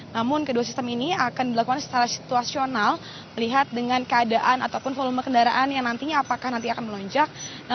namun kedua sistem ini akan dilakukan secara situasional melihat dengan keadaan ataupun volume kendaraan yang nantinya apakah nanti akan melonjak